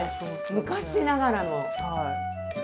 昔ながらの。